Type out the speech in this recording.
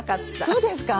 そうですか？